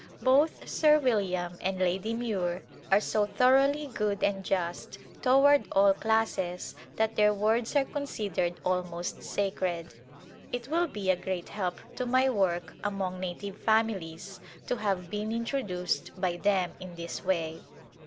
Both Sir William and Lady Muir are so thoroughly good and just toward all classes that their words are considered almost sacred. It will be a great help to my work among native families to have been intro duced by them in this way.